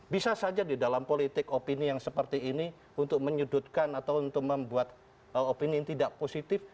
bisa saja di dalam politik opini yang seperti ini untuk menyudutkan atau untuk membuat opini yang tidak positif